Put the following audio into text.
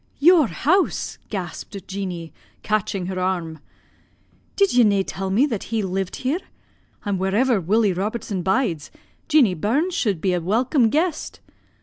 "'Your house!' gasped Jeanie, catching her arm. 'Did ye na' tell me that he lived here? and wherever Willie Robertson bides Jeanie Burns sud be a welcome guest.